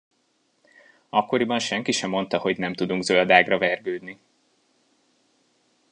Akkoriban senki se mondta, hogy nem tudunk zöld ágra vergődni!